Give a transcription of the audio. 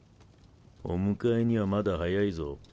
お迎えにはまだ早いぞ。